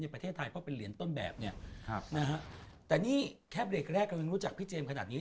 ในประเทศไทยเพราะเป็นเหรียญต้นแบบเนี่ยแต่นี่แค่เลขแรกยังรู้จักพี่เจมส์ขนาดนี้